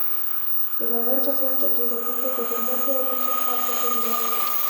د ميوند جګړه تر ډېره بريده د هلمند د عليزو قوم ګټلې ده۔